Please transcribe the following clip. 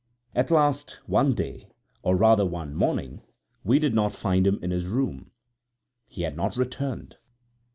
At last, one day, or rather one morning, we did not find him in his room; he had not returned.